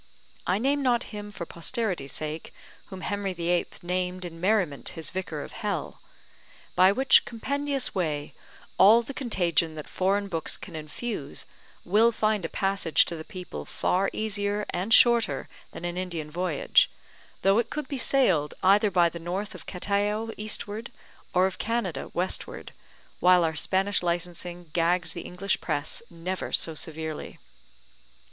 I name not him for posterity's sake, whom Henry VIII. named in merriment his vicar of hell. By which compendious way all the contagion that foreign books can infuse will find a passage to the people far easier and shorter than an Indian voyage, though it could be sailed either by the north of Cataio eastward, or of Canada westward, while our Spanish licensing gags the English press never so severely.